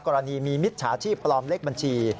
กรณีมีมิจฉาชีพปลอมเลขบัญชี